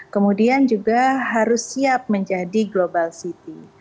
kemudian juga harus siap menjadi global city